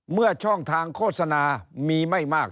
ช่องทางโฆษณามีไม่มาก